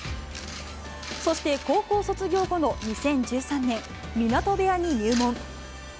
そして高校卒業後の２０１３年、湊部屋に入門。